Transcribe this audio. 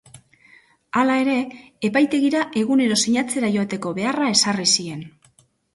Hala ere, epaitegira egunero sinatzera joateko beharra ezarri zien.